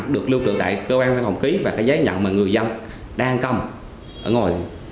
được lưu trữ tại cơ quan hồng ký và cái giấy nhận mà người dân đang cầm ở ngồi